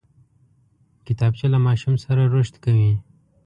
کتابچه له ماشوم سره رشد کوي